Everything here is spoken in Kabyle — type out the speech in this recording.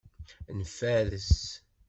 Nfares.